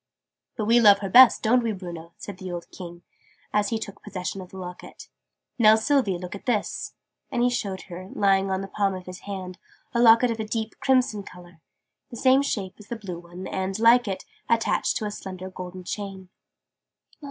"But we love her best, don't we, Bruno?" said the old King, as he took possession of the Locket. "Now, Sylvie, look at this." And he showed her, lying on the palm of his hand, a Locket of a deep crimson colour, the same shape as the blue one and, like it, attached to a slender golden chain.